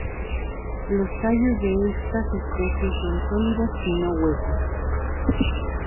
Los tallos de estas especies son sólidos y no huecos.